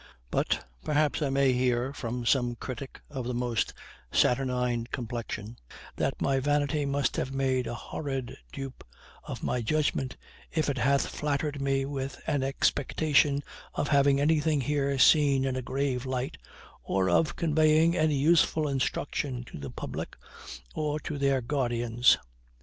But perhaps I may hear, from some critic of the most saturnine complexion, that my vanity must have made a horrid dupe of my judgment, if it hath flattered me with an expectation of having anything here seen in a grave light, or of conveying any useful instruction to the public, or to their guardians.